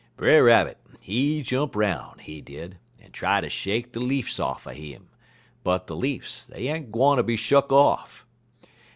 "Brer Rabbit, he jump 'roun', he did, en try ter shake de leafs off'a 'im, but de leafs, dey ain't gwine ter be shuck off.